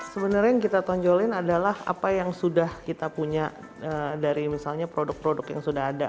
sebenarnya yang kita tonjolin adalah apa yang sudah kita punya dari misalnya produk produk yang sudah ada